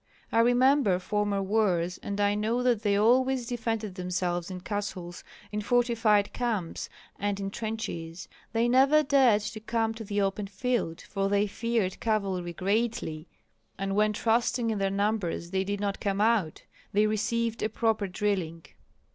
"I remember former wars, and I know that they always defended themselves in castles, in fortified camps, and in trenches. They never dared to come to the open field, for they feared cavalry greatly, and when trusting in their numbers they did come out, they received a proper drilling.